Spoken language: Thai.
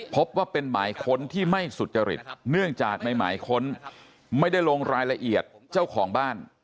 พบว่าเป็นหมายค้นที่ไม่สุจริตเนื่องจากในหมายค้นไม่ได้ลงรายละเอียดเจ้าของบ้าน